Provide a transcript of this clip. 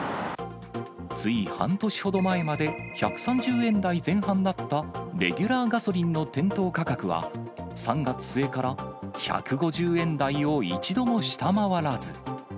つい半年ほど前まで、１３０円台前半だったレギュラーガソリンの店頭価格は、３月末から１５０円台を一度も下回らず。